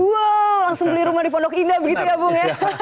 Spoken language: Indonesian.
wow langsung beli rumah di pondok indah begitu ya bung ya